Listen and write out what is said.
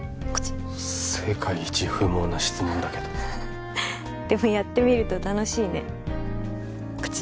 世界一不毛な質問だけどでもやってみると楽しいねこっち？